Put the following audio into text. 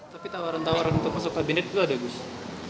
tapi tawaran tawaran untuk masuk kabinet itu ada gus